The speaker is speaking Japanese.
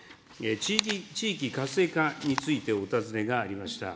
地域活性化についてお尋ねがありました。